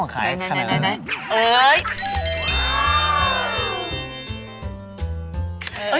อ๋อขนาดนั้นเลยอ๋อหน่อย